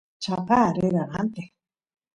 chaqa rera ranteq